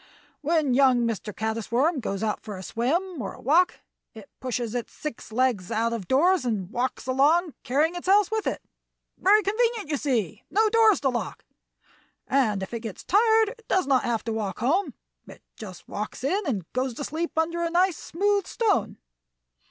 "When young Master Caddis Worm goes out for a swim or a walk it pushes its six legs out of doors, and walks along, carrying its house with it. Very convenient, you see! No doors to lock! And if it gets tired it does not have to walk home; it just walks in and goes to sleep under a nice, smooth stone.